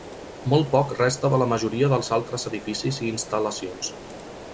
Molt poc resta de la majoria dels altres edificis i instal·lacions.